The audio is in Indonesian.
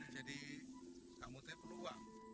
jadi kamu teh perlu uang